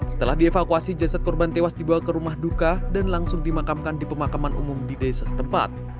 setelah dievakuasi jasad korban tewas dibawa ke rumah duka dan langsung dimakamkan di pemakaman umum di desa setempat